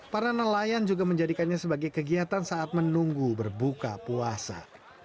para nelayan juga menjadikannya sebagai kegiatan saat menunggu berbuka puasa